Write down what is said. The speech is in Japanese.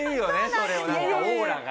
それをなんかオーラが。